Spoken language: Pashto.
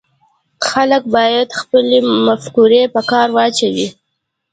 خلک باید خپلې مفکورې په کار واچوي